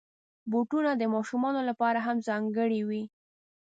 بوټونه د ماشومانو لپاره هم ځانګړي وي.